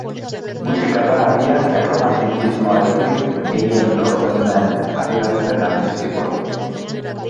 Musika da agian erromantizismoarekin gehien lotzen den adierazpen artistikoa